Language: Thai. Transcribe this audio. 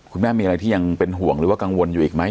คุณแม่มีอะไรที่ยังเป็นห่วงหรือว่ากังวลอยู่อีกไหม